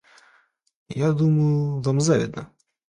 Я думаю, вам завидно?